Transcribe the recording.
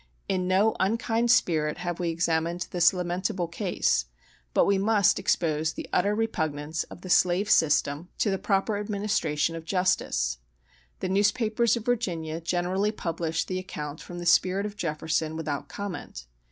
In no unkind spirit have we examined this lamentable case; but we must expose the utter repugnance of the slave system to the proper administration of justice. The newspapers of Virginia generally publish the account from the Spirit of Jefferson, without comment.